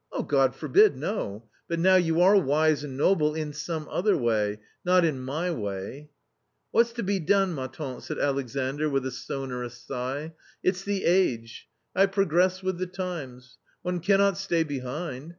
" God forbid, no ! But now you are wise and noble .... in some other way, not in my way " "What's to be done, ma fante" said Alexandr with a sonorous sigh, " it's the age. I progress with the times ; one cannot stay behind.